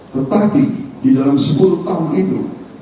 tetapi di dalam sepuluh tahun ini